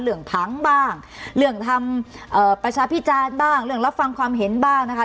ผังบ้างเรื่องทำประชาพิจารณ์บ้างเรื่องรับฟังความเห็นบ้างนะคะ